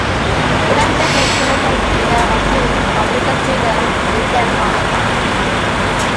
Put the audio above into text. The Baptists were instrumental in the obtaining of religious freedom in Denmark.